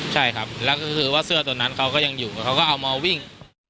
ใช่ครับแล้วก็คือว่าเสื้อตัวนั้นเขาก็ยังอยู่เขาก็เอามาวิ่ง